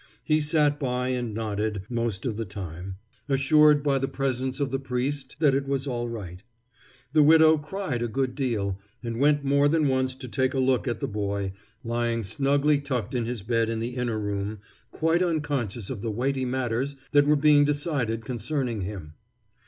He sat by and nodded most of the time, assured by the presence of the priest that it was all right. The widow cried a good deal, and went more than once to take a look at the boy, lying snugly tucked in his bed in the inner room, quite unconscious of the weighty matters that were being decided concerning him.